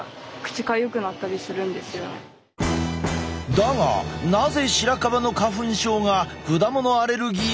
だがなぜシラカバの花粉症が果物アレルギーを引き起こすのか？